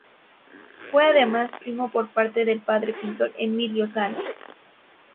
Fue además primo por parte de padre del pintor Emilio Sala.